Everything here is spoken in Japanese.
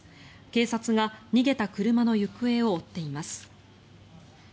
警察が逃げた車の行方を追っています。